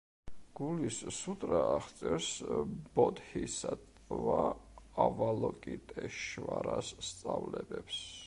გულის სუტრა აღწერს ბოდჰისატტვა ავალოკიტეშვარას სწავლებებს.